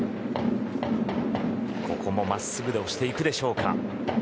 ここも真っすぐで押していくでしょうか。